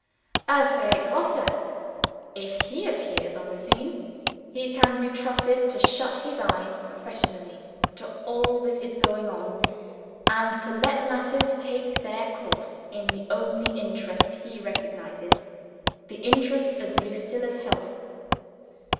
As for Herr Grosse, if he appears on the scene, he can be trusted to shut his eyes professionally to all that is going on, and to let matters take their course in the only interest he recognizes the interest of Lucilla's health.